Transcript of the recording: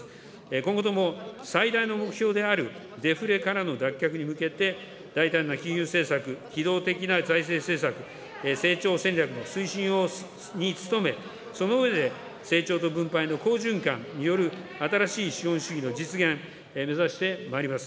今後とも最大の目標であるデフレからの脱却に向けて、大胆な金融政策、機動的な財政政策、成長戦略の推進に努め、その上で成長と分配の好循環による新しい資本主義の実現目指してまいります。